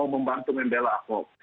membantu membela ahok